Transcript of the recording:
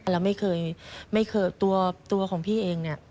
แล้วไม่เคยตัวของพี่เองนี่